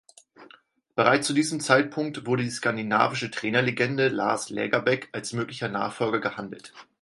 Bereits zu diesem Zeitpunkt wurde die skandinavische Trainerlegende Lars Lagerbäck als möglicher Nachfolger gehandelt.